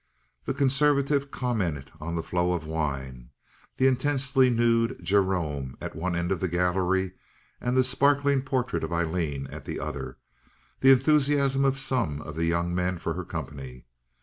The conservative commented on the flow of wine, the intensely nude Gerome at one end of the gallery, and the sparkling portrait of Aileen at the other, the enthusiasm of some of the young men for her company.